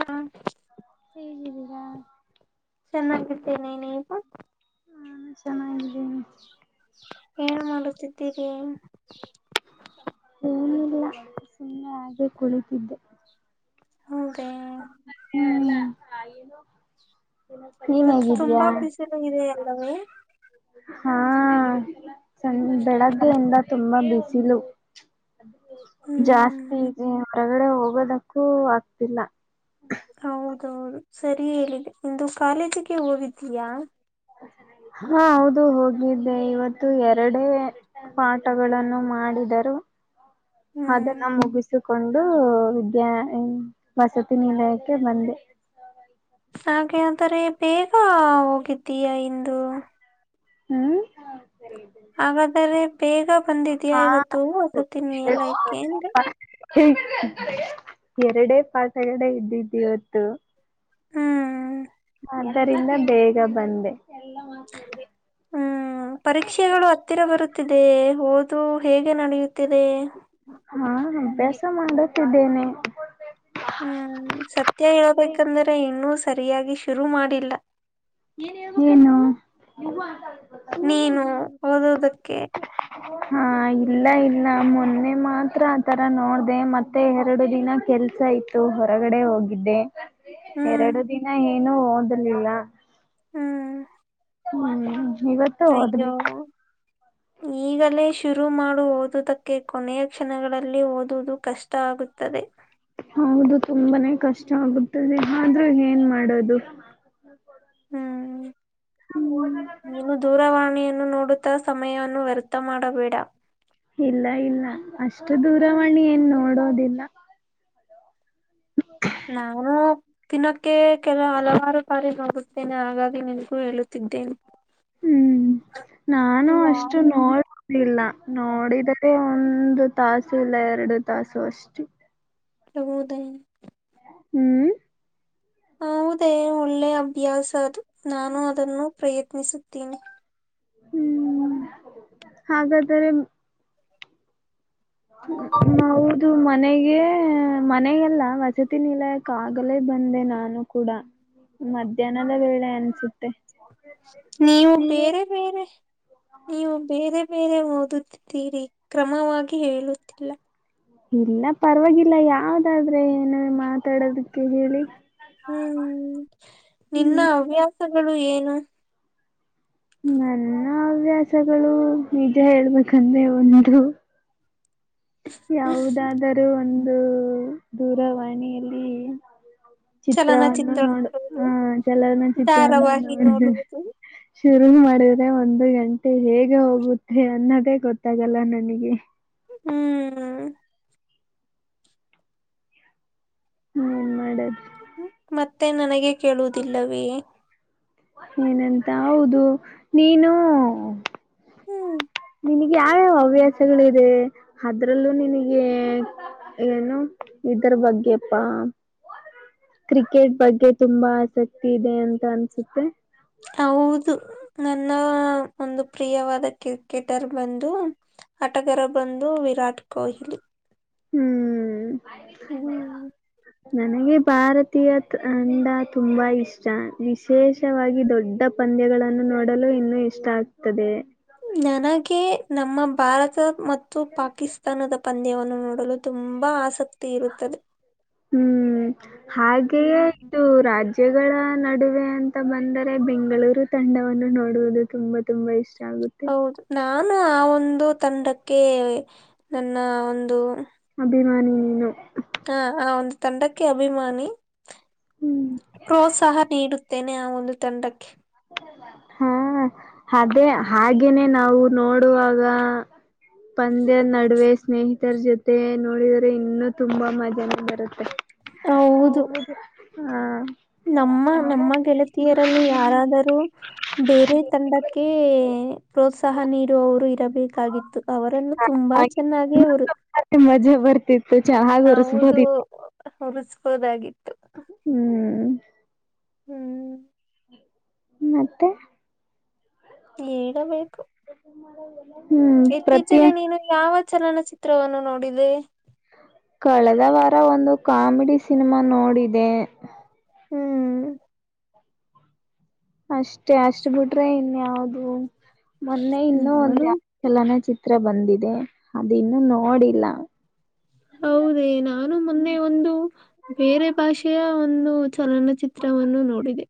ಹಾ ಹೇಗಿದೀಯಾ ಚೆನ್ನಾಗಿರ್ತ್ತೇನೆ ನೀಗ ಹ ಚೆನ್ನಾಗೀ ಏನ್ ಮಾಡುತ್ತಿದ್ದೀರಿ ಲ್ಲ ಸುಮ್ಮನೆ ಹಾಗೆ ಕುಳಿತಿದ್ದೆ ಹೌದಾ ಹ್ಮ್ ನೀನ್ ಹೇಗಿದ್ದಯಾ ಇದೆ ಎಲ್ಲವ ಹಾ ಚ ಬೆಳಗ್ಗೆಯಿಂದ ತುಂಬಾ ಬಿಸಿಲು ಹ್ಮ್ ಜಾಸ್ತಿ ಇದೆ ಹೊರಗಡೆ ಹೋಗೋದಕ್ಕೂ ಆಗ್ತಿಲ್ಲ ಹೌದೌದು ಸರಿ ಹೇಳಿದೆ ಇಂದು ಕಾಲೇಜಿಗೆ ಹೋಗಿದ್ದೀಯಾ ಹಾ ಹೌದು ಹೋಗಿದ್ದೆ ಇವತ್ತು ಎರಡ ಪಾಠಗಳನ್ನು ಮಾಡಿದರು ಹ್ಮ್ ಅದನ್ನು ಮುಗಿಸಿಕೊಂಡು ವಿದ್ಯಾ ವಸತಿ ನಿಲಯಕ್ಕೆ ಬಂದೆ ಹಾಗೆ ಅಂದರೆ ಬೇಗ ಹೋಗಿದ್ದೀಯಾ ಇಂದು ಹ್ಮ್ ಹಾಗಾದ್ರೆ ಬೇಗ ಬಂದಿದ್ಯಾ ಹಾ ಇವತ್ತು ಅಗತ್ತಿನಿ ಎಲ್ಲಕ ಅಂದ್ರೆ [unintelligible] ಎರಡೇ ಪಾಸಗಡೆ ಇದ್ದಿದ್ದಿ ಇವತ್ತು ಹ್ಮ್ ಆದ್ದರಿಂದ ಬೇಗ ಬಂದೆ ಹ್ಮ್ ಪರೀಕ್ಷೆಗಳು ಹತ್ತಿರ ಬರುತ್ತಿದೆ ಹದ ಇದು ಹೇಗೆ ನಡೆಯುತ್ತಿದೆ ಹಾ ಅಭ್ಯಾಸ ಮಾಡುತ್ತಿದ್ದೇನೆ ಹ್ಮ್ ಸತ್ಯ ಹೇಳ್ಬೇಕಂದ್ರೆ ಇನ್ನೂ ಸರಿಯಾಗಿ ಶುರು ಮಾಡಿಲ್ಲ ಏನು ನೀನು ಓದೋದಕ್ಕೆ ಹಾ ಇಲ್ಲ ಇಲ್ಲ ಮೊನ್ನೆ ಮಾತ್ರ ಆತರ ನೋಡ್ದ ಮತ್ತೆ ಮತ್ತೆ ಎರಡು ದಿನ ಕೆಲ್ಸ ಇತ್ತು ಹೊರಗಡೆ ಹೋಗಿದ್ದೆ ಹ್ಮ್ ಎರಡು ದಿನ ಏನು ಓದರ್ಲಿಲ್ಲ ಹ್ಮ್ ಹ್ಮ ಇವತ್ತು ಅಯ್ಯೋ ಓದ್ಬೇಕು ಈಗಲೇ ಶುರು ಮಾಡು ಓದುದಕ್ಕೆ ಕೊನೆಯ ಕ್ಷಣಗಳಲ್ಲಿ ಓದುವುದು ಕಷ್ಟ ಆಗುತ್ತದೆ ಹೌದು ತುಂಬಾನೇ ಕಷ್ಟ ಆಗುತ್ತದೆ ಆದ್ರೆ ಏನ್ ಮಾಡೋದು ಹ್ಮ್ ಹ ಮ [unintelligible] ನೀನು ದೂರವಾಣಿಯನ್ನು ನೋಡುತ್ತಾ ಸಮಯವನ್ನು ವ್ಯರ್ಥ ಮಾಡಬೇಡ ಇಲ್ಲ ಇಲ್ಲ ಅಷ್ಟು ದೂರವಾಣಿ ಏನ್ ನೋಡೋದಿಲ್ಲ ಹ ನಾನು ದಿನಕ್ಕೆ ಕೆಲ ಹಲವಾರು ಬಾರಿ ನೋಡುತ್ತೇನೆ ಹಾಗಾಗಿ ನಿನಗೂ ಹೇಳುತ್ತಿದ್ದೇನೆ ಹ್ಮ್ ನಾನು ಅಷ್ಟು ಹ್ಮ್ ನೋಡ್ ಇಲ್ಲ ನೋಡಿದೆ ಒಂದು ತಾಸು ಇಲ್ಲ ಎರಡು ತಾಸು ಅಷ್ಟೇ ಅಗುವದ ಹ್ಮ್ ಹೌದೇ ಒಳ್ಳೆ ಅಭ್ಯಾಸ ಅದು ನಾನು ಅದನ್ನು ಪ್ರಯತ್ನಿಸುತ್ತೇನೆ ಹ್ಮ್ ಹಾಗಾದ್ರೆ ನದು ಮ ಮನೆಗೆ ಮನೆಗೆಲ್ಲ ವಸತಿ ನಿಲಯಕ್ ಆಗಲೇ ಬಂದೆ ನಾನು ಕೂಡ ಮಧ್ಯಾಹ್ನದ ವೇಳೆ ಅನ್ಸುತ್ತೆ ನೀವು ಬೇರೆ ಬೇರೆ ನೀವು ಬೇರೆ ಬೇರೆ ಓದುತ್ತಿದ್ದೀರಿ ಕ್ರಮವಾಗಿ ಹೇಳುತ್ತಿಲ್ಲ ಇಲ್ಲ ಪರವಾಗಿಲ್ಲ ಯಾವ್ದಾದ್ರೆ ಏನು ಮಾತಾಡೋದಕ್ಕೆ ಹೇಳಿ ಹ್ಮ್ ನಿನ್ನ ಹವ್ಯಾಸಗಳು ಏನು ನನ್ನ ಹವ್ಯಾಸಗಳು ನಿಜ ಹೇಳ್ಬೇಕಂದ್ರೆ ಒಂದು ಯಾವುದಾದರೂ ಒಂದು ದೂರವಾಣಿಯಲ್ಲಿ ಚಿತ್ರವನ್ನು ಚಲನಚಿತ್ರ ನೋ ನೋಡುವುದು ಹ ಚಲರ್ ಮ ಚಿತ್ರವನ್ನು ಧಾರಾವಾಹಿ ನೋಡ ನೋಡುವುದು ಶುರು ಮಾಡಿದ್ರೆ ಒಂದು ಗಂಟೆ ಹೇಗೆ ಹೋಗುತ್ತೆ ಅನ್ನೋದೇ ಗೊತ್ತಾಗಲ್ಲ ನನಗೆ ಹ್ಮ್ ಹ್ಮ್ ಮಾಡದು ಮತ್ತೆ ನನಗೆ ಕೇಳುದಿಲ್ಲವೇ ಏನಂತ ಹೌದು ನೀನು ಹ್ಮ್ ನಿನಗೆ ಯಾವ್ಯಾವ ಹವ್ಯಾಸಗಳಿದೆ ಅದ್ರಲ್ಲೂ ನಿನಗೆ ಏನು ಇದರ ಬಗ್ಗೆಪ್ಪಾ ಕ್ರಿಕೆಟ್ ಬಗ್ಗೆ ತುಂಬಾ ಆಸಕ್ತಿ ಇದೆ ಅಂತ ಅನ್ಸುತ್ತೆ ಹೌದು ನನ್ನ ಒಂದು ಪ್ರಿಯವಾದ ಕ್ರಿಕೆಟರ್ ಬಂದು ಆಟಗಾರ ಬಂದು ವಿರಾಟ್ ಕೊಹ್ಲಿ ಹ್ಮ್ ಹ್ಮ್ ನನಗೆ ಭಾರತೀಯ ತಂಡ ತುಂಬಾ ಇಷ್ಟ ವಿಶೇಷವಾಗಿ ದೊಡ್ಡ ಪಂದ್ಯಗಳನ್ನು ನೋಡಲು ಇನ್ನು ಇಷ್ಟ ಆಗ್ತದೆ ನನಗೆ ನಮ್ಮ ಭಾರತ ಮತ್ತು ಪಾಕಿಸ್ತಾನದ ಪಂದ್ಯವನ್ನು ನೋಡಲು ತುಂಬಾ ಆಸಕ್ತಿ ಇರುತ್ತದೆ ಹ್ಮ್ ಹಾಗೆಯೇ ಹ್ಮ್ ಇದು ರಾಜ್ಯಗಳ ನಡುವೆ ಅಂತ ಬಂದರೆ ಬೆಂಗಳೂರು ತಂಡವನ್ನು ನೋಡುವುದು ತುಂಬ ತುಂಬಾ ಇಷ್ಟ ಆಗುತ್ತೆ ಹೌದು ನಾನು ಆ ಒಂದು ತಂಡಕ್ಕೆ ನನ್ನ ಒಂದು ಅಭಿಮಾನಿ ನೀನು ಹಾ ಆ ಒಂದು ತಂಡಕ್ಕೆ ಅಭಿಮಾನಿ ಹ್ಮ್ ಪ್ರೋತ್ಸಾಹ ನೀಡುತ್ತೇನೆ ಆ ಒಂದು ತಂಡಕ್ಕೆ ಹಾ ಅದೇ ಹಾಗೇನೆ ನಾವು ನೋಡುವಾಗ ಪಂದ್ಯದ ನಡುವೆ ಸ್ನೇಹಿತರ ಜೊತೆ ನೋಡಿದ್ರೆ ಇನ್ನುೂ ತುಂಬಾ ಮಜಾಾನ ಬರುತ್ತೆ ಹೌದು ಹಾ ನಮ್ಮ ನಮ್ಮ ಗೆಳತಿಯರಲ್ಲಿ ಯಾರ ಬೇರೆ ತಂಡಕ್ಕೆ ಪ್ರೋತ್ಸಾಹ ನೀಡುವವರು ಇರಬೇಕು ಾಗಿತ್ತು ಅವರನ್ನು ತುಂಬಾ ಚೆನ್ನಾಗಿ ಅವರು ುಂಬ ಮಜಾ ಬರ್ತಿತ್ತು ಚೆನ್ನಾಗ್ ಉರ್ಸ್ಬೋದಿತ್ತು ಉಸ್ಬೋದಾಗಿತ್ತು ಹ್ಮ್ ಹ್ಮ್ ಮತ್ತೆ ನೀಡಬೇಕು ಮಾಡ ಇತ್ತೀಚೆಗೆ ನೀನು ಯಾವ ಚಲನಚಿತ್ರವನ್ನು ನೋಡಿದೆ ಕಳೆದ ವಾರ ಒಂದು ಕಾಮಿಡಿ ಸಿನಿಮಾ ನೋಡಿದೆ ಹ್ಮ್ ಅಷ್ಟೆ ಅಷ್ಟ್ ಬಿಟ್ರೆ ಇನ್ಯಾವ್ದ ಮೊನ್ನೆ ಇನ್ನುೂ ಒಂದ ನಾನು ಯ ಚಲನ ಚಿತ್ರ ಬಂದಿದೆ ಅದು ಇನ್ನು ನೋಡಿಲ್ಲ ಹೌದೇ ನಾನು ಮೊನ್ನೆ ಒಂದು ಬೇರೆ ಭಾಷೆಯ ಒಂದು ಚಲನ ಚಿತ್ರವನ್ನು ನೋಡಿದೆ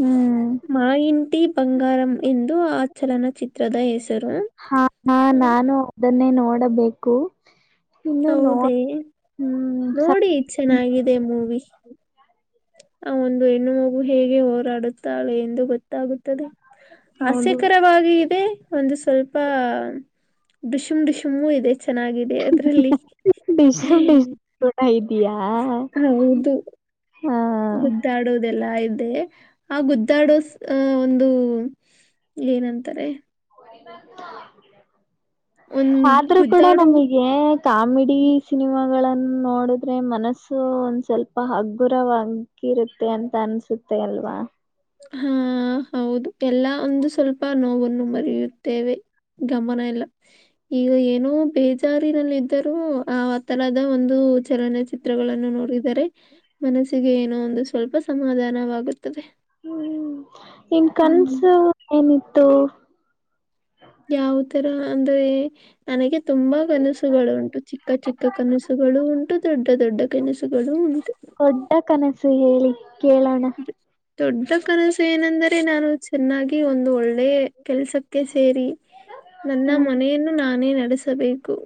ಹ್ಮ್ ಮಾ ಇಂತಿ ಬಂಗಾರಂ ಎಂದು ಆ ಚಲನಚಿತ್ರದ ಹೆಸರು ಹಾ ಹ, ನಾ ಅದನ್ನೇ ನೋಡಬೇಕು ಇನ್ನು ನೋ ಹೌದೇ ಹ್ಮ್ ಸ ನೋಡಿ ಚೆನ್ನಾಗಿದೆ ಮೂವಿ ಆ ಒಂದು ಹೆಣ್ಣು ಮಗು ಹೇಗೆ ಹೋರಾಡುತ್ತಾಳೆ ಎಂದು ಗೊತ್ತಾಗುತ್ತದೆ ಹೌದು ಹಾಸ್ಯಕರವಾಗಿ ಇದೆ ಒಂದು ಸ್ವಲ್ಪ ಡಿಶಿಮ್ ಡಿಶಮೂ ಇದೆ ಚೆನ್ನಾಗಿದೆ ಅದ್ರಲ್ಲಿ ತೋಡ ಇದಯಾ ಹೌದು ಹ ಗುದ್ದಾಡೋದೆಲ್ಲಾ ಇದೆ ಆ ಗುದ್ದಾಡೋ ಅಹ ಒಂದು ಏನಂತಾರೆ? ಒಂದ್ ಆದ್ರೂ ಕೂಡ ಗುದ್ದಾಡೋ ನಮಗೆ. ಕಾಮಿಡಿ ಸಿನಿಮಾಗಳನ್ನ್ ನೋಡಿದ್ರೆ ಮನಸ್ಸು ಒಂದ್ ಸ್ವಲ್ಪ ಹಗ್ಗುರವಾಗ ಇರುತ್ತೆ ಅಂತ ಅನ್ಸುತ್ತೆ ಅಲ್ವಾ. ಹ್ಮ ಹೌದು ಎಲ್ಲ ಒಂದು ಸ್ವಲ್ಪ ನೋವನ್ನು ಮರಿಯುತ್ತೇವೆ ಗಮನ ಎಲ್ಲ ಈಗ ಏನೋ ಬೇಜಾರಿನಲ್ಲಿದ್ದರೂ ಆ ತರದ ಒಂದು ಚಲನಚಿತ್ರಗಳನ್ನು ನೋಡಿ ದರೆ ಮನಸ್ಸಿಗೆ ಏನೋ ಒಂದು ಸ್ವಲ್ಪ ಸಮಾಧಾನವಾಗುತ್ತದೆ. ಹ್ಮ್ ನಿನ್ ಹ್ಮ್ ಕನ್ಸು ಏನಿತ್ತು. ಯಾವ ತರ ಅಂದ್ರೆ ನನಗೆ ತುಂಬಾ ಕನಸುಗಳು ಉಂಟು ಚಿಕ್ಕ ಚಿಕ್ಕ ಕನಸುಗಳೂ ಉಂಟು ದೊಡ್ಡ ದೊಡ್ಡ ಕನಸುಗಳೂ ಉಂಟು. ದೊಡ್ಡ ಕನಸು ಹೇಳಿ ಕೇಳೋಣ. ಹ್ಮ ದೊಡ್ಡ ಕನಸು ಏನೆಂದರೆ ನಾನು ಚೆನ್ನಾಗಿ ಒಂದು ಒಳ್ಳೆ ಕೆಲ್ಸಕ್ಕೆ ಸೇರಿ ನನ್ನ ಹ್ಮ್ ಮನೆಯನ್ನು ನಾನೇ ನಡೆಸಬೇಕು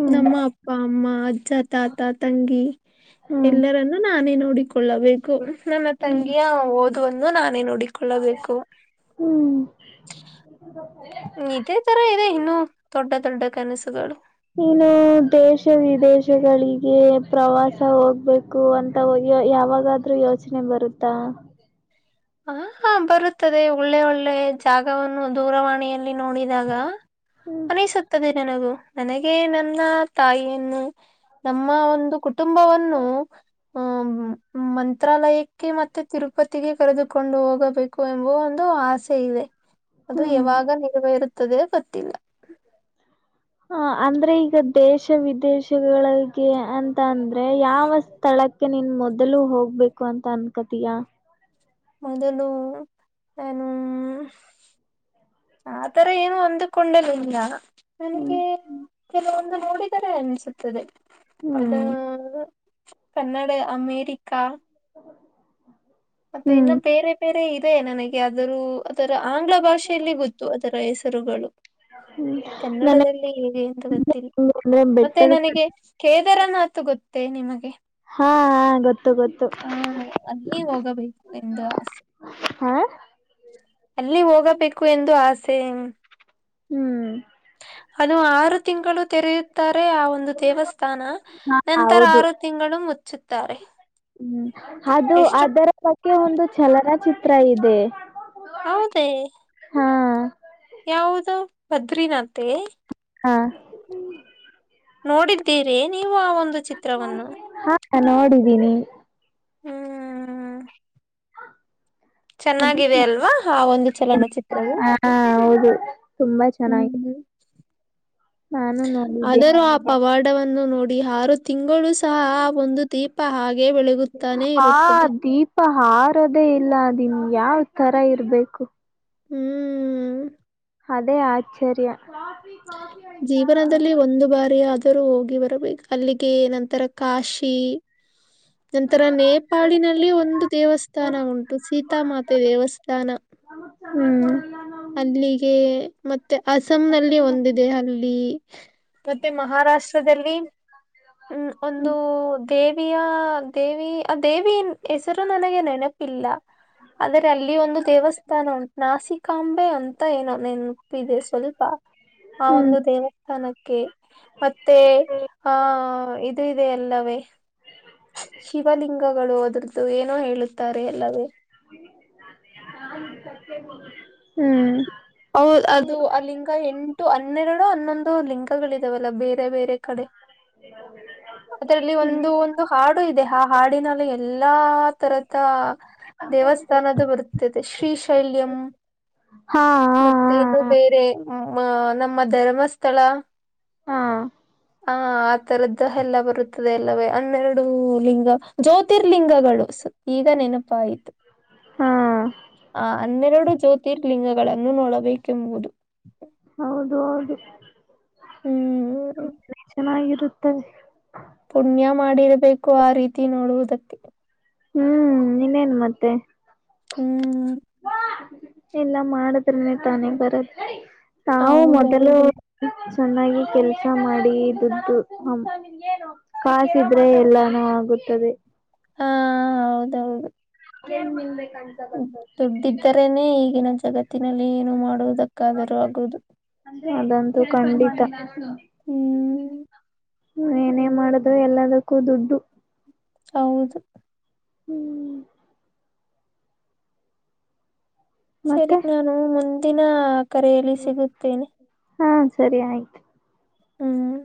ಹ್ಮ್ ನಮ್ಮ ಅ ಪ್ಪ ಅಮ್ಮ ಅಜ್ಜ ತಾತಾ ತಂಗಿ ಹ್ಮ್ ಎಲ್ಲರನ್ನೂ ನಾನೇ ನೋಡಿಕೊಳ್ಳಬೇಕು. ನನ್ನ ಹ್ಮ್ ತಂಗಿಯ ಓದುವನ್ನು ನಾನೇ ನೋಡಿಕೊಳ್ಳಬೇಕು. ಹ್ಮ್ ಇದೇ ತರ ಇದೆ ಇನ್ನೂ ದೊಡ್ಡ ದೊಡ್ಡ ಕನಸುಗಳು. ಇನು ದೇಶ ವಿದೇಶಗಳಿಗೆ ಪ್ರವಾಸ ಹೋಗ್ಬೇಕು. ಕು ಅಂತ ಯಾವಾಗಾದ್ರೂ ಯೋಚನೆ ಬರುತ್ತಾ? ಹ ಹಾ ಬರುತ್ತದೆ ಒಳ್ಳೆ ಒಳ್ಳೆ ಜಾಗವನ್ನು ದೂರವಾಣಿಯಲ್ಲಿ ನೋಡಿದಾಗ. ಹ್ಮ್ ಅನಿಸುತ್ತದೆ ನನಗೂ ನನಗೆ ನನ್ನ ತಾಯಿಯನ್ನು ನಮ್ಮ ಒಂದು ಕುಟುಂಬವನ್ನು ಹ್ಮ ಮಂತ್ರಾಲಯಕ್ಕೆ ಮತ್ತೆ ತಿರುಪತಿಗೆ ಕರೆದುಕೊಂಡು ಹೋಗಬೇಕು ಎಂಬ ಒಂದು ಆಸೆ ಇದೆ. ಅದು ಹ್ಮ್ ಯಾವಾಗ ನೆರವೇರುತ್ತದೆ ಗೊತ್ತಿಲ್ಲ. ಹ ಅಂದ್ರೆ ಈಗ ದೇಶ ವಿದೇಶಗಳಿಗೆ ಅಂತ ಅಂದ್ರೆ ಯಾವ ಸ್ಥಳಕ್ಕ್ ಕೆ ನೀನ್ ಮೊದಲು ಹೋಗ್ಬೇಕು ಅಂತ ಅನ್ಕತೀಯಾ? ಮೊದಲು ನಾನೂ ಆ ತರ ಏನು ಅಂದಕೊಂಡಲಿಲ್ಲ ಹ್ಮ್ ನನಗೆ ಕೆಲವೊಂದು ನೋಡಿದರೆ ಅನಿಸುತ್ತದೆ ಹ್ಮ್ ಅದೂ ಕನ್ನಡ ಅಮೇರಿಕಾ ಹೌ ಮತ್ತೆ ಇನ್ನು ಬೇರೆ ಬೇರೆ ಇದೆ ನನಗೆ ಆದರೂ ಅದರ ಆಂಗ್ಲ ಭಾಷೆಯಲ್ಲಿ ಗೊತ್ತು ಅದರ ಹೆಸರುಗಳು. ಹ್ಮ್ ನನಗೆ ಕನ್ನಡದಲ್ಲಿ ಇದೆ ಅಂತ ಗೊತ್ತಿಲ್ಲ್ ಅಂದ್ರೆ ಮತ್ತೆ ಬೆಟ್ಟದ ನನಗೆ ಕೇದಾರನಾಥ್ ಗೊತ್ತೇ ನಿಮಗೆ? ಹಾ ಹಾ ಗೊತ್ತು ಗೊತ್ತು. ಆ ಅಲ್ಲಿ [unintelligible] ಹಾ ಅಲ್ಲಿ ಹೋಗಬೇಕು ಎಂದು ಆಸೆ. ಹ್ಮ್ ಅದು ಆರು ತಿಂಗಳು ತೆರೆಯುತ್ತಾರೆ ಆ ಒಂದು ದೇವಸ್ಥಾನ. ಹಾ ನಂತರ ಹೌದು ಆರು ತಿಂಗಳು ಮುಚ್ಚುತ್ತಾರೆ. ಹ್ಮ್ ಅದು ಎಷ್ಟು ಅದರ ಬಗ್ಗೆ ಒಂದು ಚಲನಚಿತ್ರ ಇದೆ. ಹೌದೆ ಹಾ ಯಾವು ಭದ್ರಿನಂತೆ ಹಾ ನೋಡಿದ್ದೀರೆ ನೀವು ಆ ಒಂದು ಚಿತ್ರವನ್ನು ಹ ನೋಡಿದ್ದೀನಿ ಹ್ಮ್ ಹ ಚೆನ್ನಾಗಿದೆ ಅಲ್ವಾ ಆ ಒಂದು ಚಲನಚಿತ್ರವು ಹೌದು ತುಂಬಾ ಚೆನ್ನಗಿದೆ ಹ್ಮ್ ನಾನು ನೋಡಿದಿನಿ ಆದರೂ ಆ ಪವಾಡವನ್ನು ನೋಡಿ ಆರು ತಿಂಗಳು ಸಹ ಆ ಒಂದು ದೀಪ ಹಾಗೆ ಬೆಳಗುತ್ತ ತಾನೇ ಇರುತ್ತದೆ ದೀಪಾಹಾರದೆೇ ಅಲ್ಲಿ ಯಾವ್ ತರಇರ್ಬೇಕು ಹ್ಮ್ ಅದೇ ಆಚಾರ್ಯ ಜೀವನದಲ್ಲಿ ಒಂದು ಬಾರಿ ಆದರು ಹೋಗಿ ಬರಬೇಕು ಅಲ್ಲಿಗೆ ನಂತರ ಕಾಶಿ ನಂತರ ನೇಪಾಳಿನಲ್ಲಿ ಒಂದು ದೇವಸ್ಥಾನ ಉಂಟು ಸೀತಾಮಾತೆ ದೇವಸ್ಥಾನ ಹ್ಮ್ ಅಲ್ಲಿಗೆ ಮತ್ತೆ ಅಸಾಂ ನಲ್ಲಿ ಒಂದಿದೆ ಅಲ್ಲಿ ಮತ್ತೆ ಮಹಾರಾಷ್ಟ್ರದಲ್ಲಿ ಹ್ ಒಂದು ದೇವ ದೇವಿಯ ದೇವಿ ಆ ದೇವಿಯ ಹೆಸರು ನನಗೆ ನೆನಪಿಲ್ಲ ಆದ್ರ ಅಲ್ಲಿ ಒಂದು ದೇವಸ್ಥಾನ ಉಂಟು ನಾಸಿಕ್ ಕಾಂಬೆ ಅಂತ ಏನೋ ನೆನಪಿದೆ ಸ್ವಲ್ಪ ಆ ಹ್ಮ್ ಒಂದು ದೇವಸ್ಥಾನಕ್ಕೆ ಮತ್ತೆ ಇದು ಇದೆ ಅಲ್ಲವೇ ಶಿವಲಿಂಗಗಳು ಅದ್ರದ್ದು ಏನೋ ಹೇಳುತ್ತಾರೆ ಎಲ್ಲವೇ ಹ್ಮ್ ಹೌದ ಅದು ಆ ಲಿಂಗ ಹನ್ನೆರಡು ಹನ್ನೊಂದು ಲಿಂಗಗಳು ಇದ್ದವೇ ಬೇರೆ ಬೇರೆ ಕಡೆ ಅದರಲ್ಲಿ ಒಂದು [inaudible] ಒಂದು ಹಾಡು ಇದೆ ಆ ಹಾಡಿನಲ್ಲಿೂ ಎಲ್ಲಾ ತರದ ದೇವಸ್ಥಾನದ ಬರುತ್ತದೆ ಶ್ರೀಶೈಲ್ಯಂ ಹಾ ಹಾ ಮತ್ತೇ ಇದು ಬೇರೆ ನಮ್ಮ ಧರ್ಮಸ್ಥಳ ಹಾ ಹ ಆ ತರದ ಎಲ್ಲ ಬರುತ್ತದೆ ಎಲ್ಲವೇ ಹನ್ನೆರಡು ಲಿಂಗ ಜ್ಯೋತಿರ್ಲಿಂಗಳು ಈಗ ನೆನಪುಹಾಯ್ತು ಹಾ ಆ ಹನ್ನೆರಡು ಜ್ಯೋತಿರ್ಲಿಂಗ ನೋಡಬೇಕೆಂಬುದು ಹೌದು ಹೌದು ಹ್ಮ್ ಚೆನ್ನಾಗಿರುತ್ತದ್ದೆ ಪುಣ್ಯ ಮಾಡಿರಬೇಕು ಆ ರೀತಿ ನೋಡುವುದಕ್ಕೆ ಹ್ಮ್ ಇನ್ನೇನು ಮತ್ತೆ ಹ್ಮ್ ಇಲ್ಲ ಮಾಡುದ್ರನೇ ತಾನೇ ಬರುತ್ತೆ ನಾವು ಹೌದೌದು ಮೊದಲು ಚೆನ್ನಾಗಿ ಕೆಲಸ ಮಾಡಿ ದುಡ್ಡಿದು ಕಾಸಿದ್ರೆ ಎಲ್ಲಾನು ಆಗುತ್ತದೆ ಹೌದು ಏನ್ ಮಲ್ಬೇಕಂತ ದುಡ್ಡಿದ್ದರೇನೆ ಈಗಿನ ಜಗತ್ತಿನಲ್ಲಿ ಏನು ಮಾಡುವುದಕ್ಕಾದರೂ ಆಗುದು ಅಂದ್ರೆ ಅದಂತೂ ಖಂಡಿತ ಹ್ಮ್ ಏನೇ ಮಾಡುದ್ರು ಎಲ್ಲದಕ್ಕೂ ದುಡ್ಡು ಹೌದು ಹೂ ಸರಿ ಮತ್ತೆ ನಾನು ಮುಂದಿನ ಕರೆಯಲ್ಲಿ ಸಿಗುತ್ತೇನೆ ಹಾ ಸರಿ ಆಯ್ತ ಹ್ಮ್ಮ್